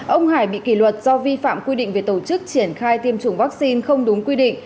ông hải bị kỷ luật do vi phạm quy định về tổ chức triển khai tiêm chủng vaccine không đúng quy định